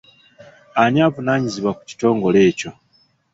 Ani avunaanyizibwa ku kitongole ekyo?